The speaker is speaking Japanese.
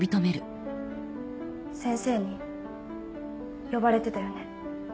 先生に呼ばれてたよね。